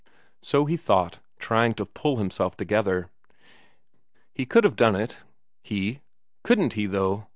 So he thought, trying to pull himself together. He could have done it he? Couldn't he, though!